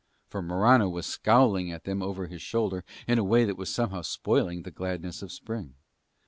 For Morano was scowling at them over his shoulder in a way that was somehow spoiling the gladness of Spring.